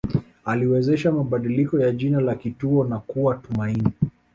Aliwezesha mabadiliko ya jina la kituo na kuwa Tumaini